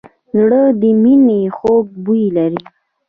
زړه د مینې خوږ بوی لري.